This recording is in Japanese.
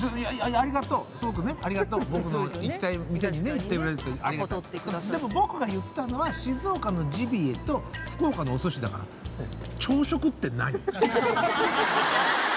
ありがとうすごくねありがとう僕の行きたい店にね行ってくれるっていうありがたいでも僕が言ったのは静岡のジビエと福岡のお寿司だから朝食って何？